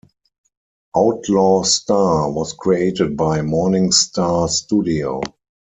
"Outlaw Star" was created by Morning Star Studio.